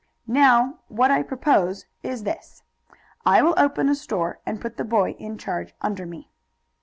Now, what I propose is this: 'I will open a store, and put the boy in charge under me.'"